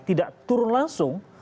tidak turun langsung